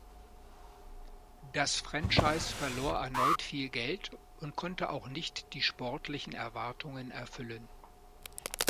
Das Franchise verlor erneut viel Geld und konnte auch nicht die sportlichen Erwartungen erfüllen.